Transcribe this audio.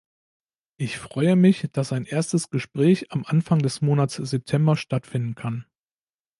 Ich freue mich, dass ein erstes Gespräch am Anfang des Monats September stattfinden kann.